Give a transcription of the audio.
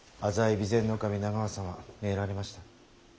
備前守長政様参られました。